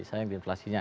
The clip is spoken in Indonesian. sayang di inflasinya